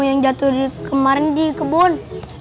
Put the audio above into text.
yang jatuh kemarin di kebun